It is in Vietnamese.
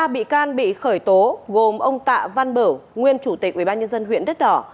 ba bị can bị khởi tố gồm ông tạ văn bửu nguyên chủ tịch ubnd huyện đất đỏ